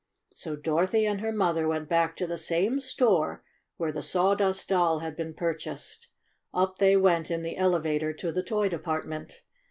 So Dorothy and her mother went back to the same store where the Sawdust Doll had been purchased. Up they went in the elevator to the toy department.